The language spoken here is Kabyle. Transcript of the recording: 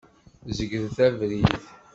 Zegret abrid!